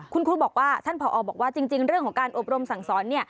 คุณครูบอกว่าท่านผอบอกว่าจริงเรื่องของการอบรมสั่งสอน